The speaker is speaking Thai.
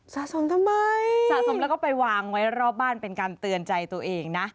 สะสมทำไมสะสมแล้วก็ไปวางไว้รอบบ้านเป็นการเตือนใจตัวเองนะ